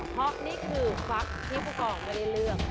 เพราะนี่คือควักที่ผู้กองไม่ได้เลือก